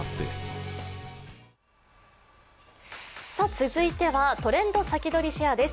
続いては「トレンドさきどり＃シェア」です。